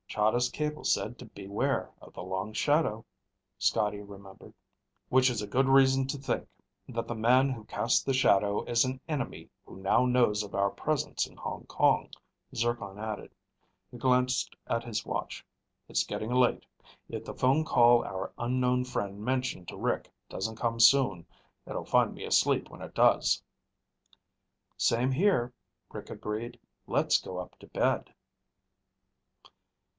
"Chahda's cable said to beware of the long shadow," Scotty remembered. "Which is a good reason to think that the man who cast the shadow is an enemy who now knows of our presence in Hong Kong," Zircon added. He glanced at his watch. "It's getting late. If the phone call our unknown friend mentioned to Rick doesn't come soon, it'll find me asleep when it does." "Same here," Rick agreed. "Let's go up to bed."